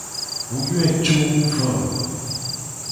Mu yoe co mu va o.